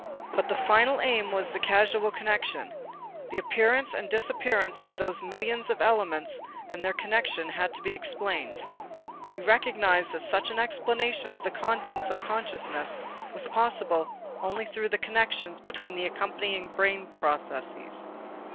But the final aim was the causal connection. The appearance and disappearance of those millions of elements and their connection had to be explained. We recognized that such an explanation of the contents of consciousness was possible only through the connections between the accompanying brain processes.